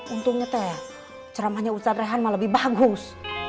untungnya teh ceramahnya ustadz rehan malah lebih bagus